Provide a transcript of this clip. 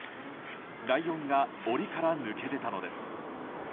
ライオンが檻から抜け出たのです。